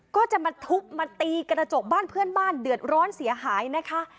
ก็จะมาทุบมาตีกระจกบ้านเพื่อนบ้านเดือดร้อนเสียหายนะคะ